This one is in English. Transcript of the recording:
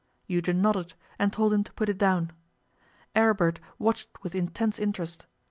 Eugen nodded, and told him to put it down. Aribert watched with intense interest.